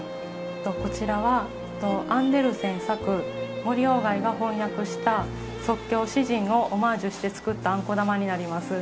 こちらはアンデルセン作森鴎外が翻訳した「即興詩人」をオマージュして作ったあんこ玉になります。